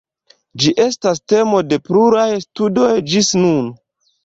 Ĝi estas temo de pluraj studoj ĝis nun.